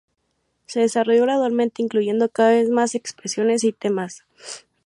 Se desarrolló gradualmente, incluyendo cada vez más expresiones y temas.